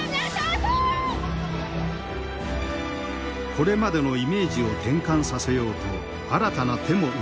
これまでのイメージを転換させようと新たな手も打ち始めた。